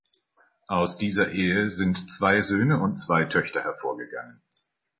Aus dieser Ehe sind zwei Söhne und zwei Töchter hervorgegangen.